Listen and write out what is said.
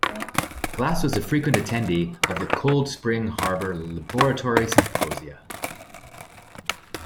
Glass was a frequent attendee of the Cold Spring Harbor Laboratory Symposia.